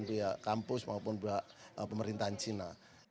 pihak kampus maupun pihak pemerintahan cina